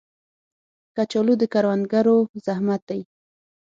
کچالو د کروندګرو زحمت دی